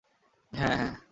হ্যাঁঁ - হ্যাঁঁ।